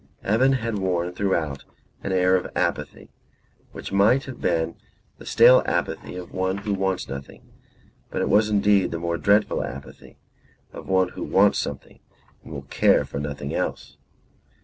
Evan had worn throughout an air of apathy, which might have been the stale apathy of one who wants nothing. But it was indeed the more dreadful apathy of one who wants something and will care for nothing else.